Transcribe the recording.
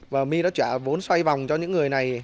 và my đã trả vốn xoay vòng cho những người này